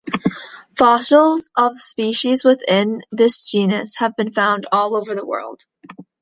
Fossils of species within this genus have been found all over the world.